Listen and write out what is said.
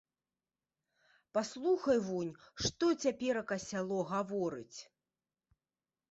Паслухай вунь, што цяперака сяло гаворыць.